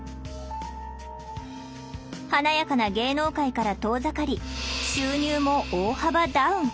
華やかな芸能界から遠ざかり収入も大幅ダウン。